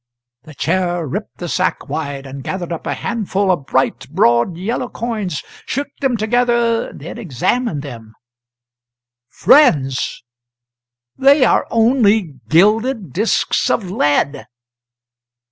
The Chair ripped the sack wide, and gathered up a handful of bright, broad, yellow coins, shook them together, then examined them. "Friends, they are only gilded disks of lead!"